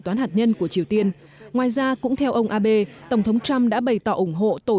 toán hạt nhân của triều tiên ngoài ra cũng theo ông abe tổng thống trump đã bày tỏ ủng hộ tổ